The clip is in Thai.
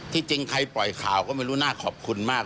จริงใครปล่อยข่าวก็ไม่รู้น่าขอบคุณมาก